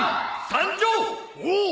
参上！